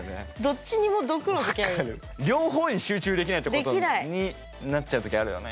両方に集中できないってことになっちゃう時あるよね。